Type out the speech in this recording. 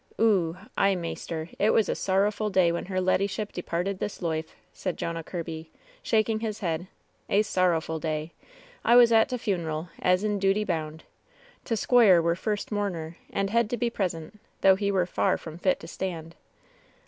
"Oo, ay, maister, it was a sorrowful day when her leddyship departed this loife,'^ said Jonah Kirby, shak ing his head — "a sorrowful day ! I was at t' funeral, as in duty bound. T' squoire were first mourner, and hed to be present, though he were far from fit to stand.